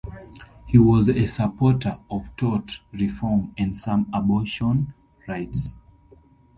He was a supporter of tort reform and some abortion rights.